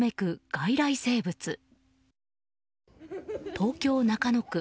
東京・中野区。